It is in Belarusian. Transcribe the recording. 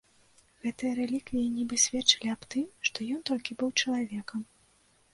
Гэтыя рэліквіі нібы сведчылі аб тым, што ён толькі быў чалавекам.